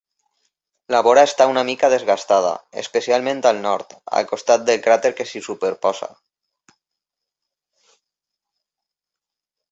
La vora està una mica desgastada, especialment al nord, al costat del cràter que s'hi superposa.